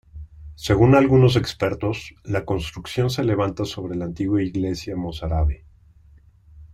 Según algunos expertos, la construcción se levanta sobre una antigua iglesia mozárabe.